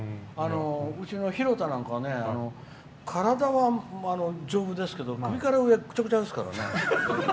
うちの廣田なんか、体は丈夫ですけど首から上、ぐちゃぐちゃですから。